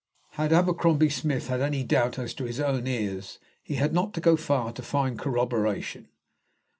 Had Abercrombie Smith had any doubt as to his own ears he had not to go far to find corroboration.